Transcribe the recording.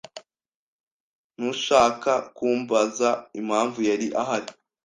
Ntushaka kumbaza impamvu yari ahari?